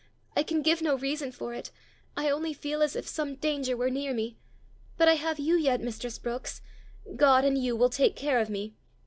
I can give no reason for it; I only feel as if some danger were near me. But I have you yet, mistress Brookes: God and you will take care of me!